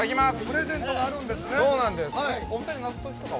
◆プレゼントがあるんですね。